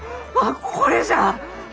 これじゃ！